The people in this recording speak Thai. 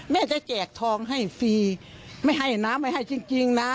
แม่จะแจกทองให้ฟรีไม่ให้นะไม่ให้จริงนะ